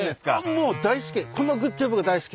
もう大好き！